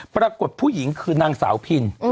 ปรากฏผู้หญิงคือนางสาวพิน